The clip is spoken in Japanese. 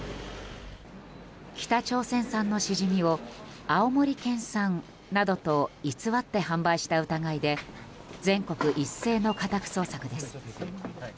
北朝鮮産のシジミを青森県産などと偽って販売した疑いで全国一斉の家宅捜索です。